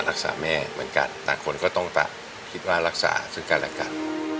รักษาแม่เหมือนกันต่างคนก็ต้องคิดว่ารักษาซึ่งกันและกัน